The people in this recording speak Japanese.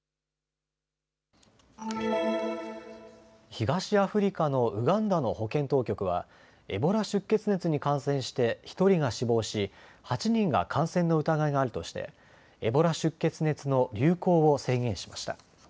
東アフリカのウガンダの保健当局はエボラ出血熱に感染して１人が死亡し８人が感染の疑いがあるとしてエボラ出血熱の流行を宣言しました。